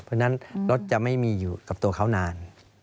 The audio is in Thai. เพราะฉะนั้นรถจะไม่มีอยู่กับตัวเขานาน